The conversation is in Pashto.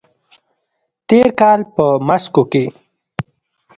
تېر کال په مسکو کې